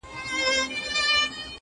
په خبره ولي نه سره پوهېږو-